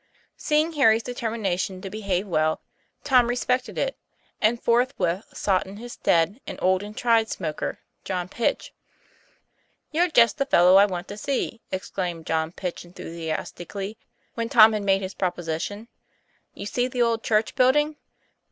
Seeing Harry's determination to behave well, Tom respected it; and forthwith sought in his stead an old and tried smoker, John Pitch. ' You're just the fellow I wanted to see !" exclaimed John Pitch enthusiastically, when Tom had made his proposition. 'You see the old church building?